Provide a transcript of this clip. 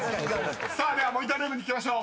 ［ではモニタールームに聞きましょう。